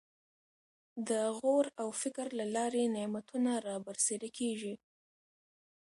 د غور او فکر له لارې نعمتونه رابرسېره کېږي.